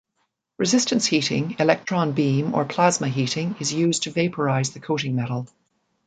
Resistance heating, electron beam, or plasma heating is used to vaporize the coating metal.